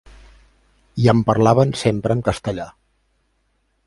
I em parlaven sempre amb castellà.